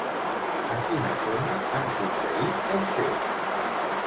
En quina zona han succeït els fets?